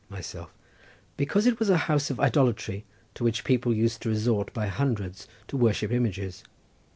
Myself.—Because it was a house of idolatry to which people used to resort by hundreds to worship images.